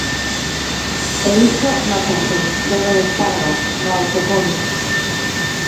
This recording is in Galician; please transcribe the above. E iso nótase, Dolores Parga, no auto covid.